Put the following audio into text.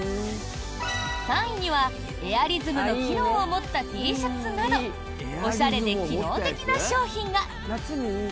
３位には、エアリズムの機能を持ったＴシャツなどおしゃれで機能的な商品が。